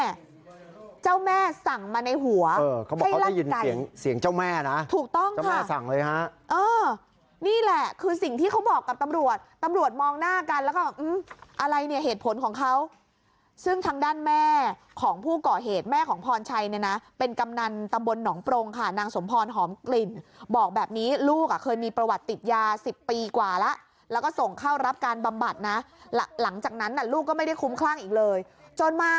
สั่งเจ้าแม่เจ้าแม่สั่งมาในหัวเขาบอกเขาได้ยินเสียงเสียงเจ้าแม่นะถูกต้องค่ะสั่งเลยฮะนี่แหละคือสิ่งที่เขาบอกกับตำรวจตำรวจมองหน้ากันแล้วก็อะไรเนี่ยเหตุผลของเขาซึ่งทางด้านแม่ของผู้ก่อเหตุแม่ของพรชัยเนี่ยนะเป็นกำนันตำบลหนองโปรงค่ะนางสมพรหอมกลิ่นบอกแบบนี้ลูกเคยมีประวัติติดยา